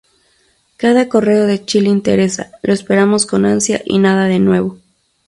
Cada correo de Chile interesa, lo esperamos con ansia, y nada de nuevo.